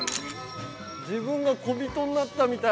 ◆自分が小人になったみたい。